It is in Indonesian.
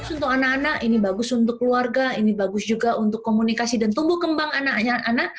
untuk anak anak ini bagus untuk keluarga ini bagus juga untuk komunikasi dan tumbuh kembang anak anak